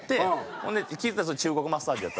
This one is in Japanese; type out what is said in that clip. ほんで気付いたら中国マッサージやった。